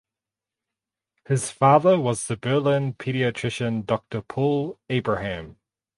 His father was the Berlin pediatrician Doctor Paul Abraham.